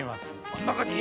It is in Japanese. あのなかに？